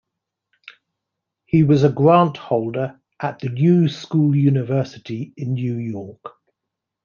He was a grant holder at the New School University in New York.